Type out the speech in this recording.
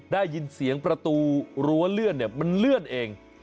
ได้ยินเสียงประตูรั้วเลื่อนมันเลื่อนเอง